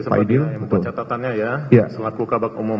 yang membuat catatannya ya selaku kabang umum